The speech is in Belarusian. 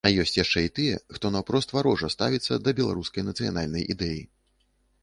А ёсць яшчэ і тыя, хто наўпрост варожа ставіцца да беларускай нацыянальнай ідэі.